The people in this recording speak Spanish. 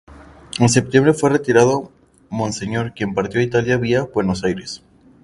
En Septiembre fue retirado Monseñor quien partió a Italia vía Buenos Aires.